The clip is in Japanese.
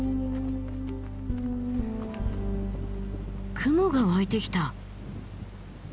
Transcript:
雲が湧いてきた。